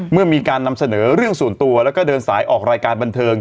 เมื่อมีการนำเสนอเรื่องส่วนตัวแล้วก็เดินสายออกรายการบันเทิง